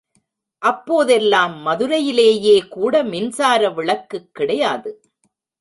அப்போதெல்லாம் மதுரையிலேயே கூட மின்சார விளக்கு கிடையாது.